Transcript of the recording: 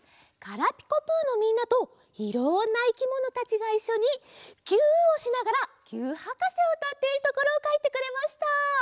「ガラピコぷ」のみんなといろんないきものたちがいっしょにぎゅーっをしながら「ぎゅーっはかせ」をうたっているところをかいてくれました。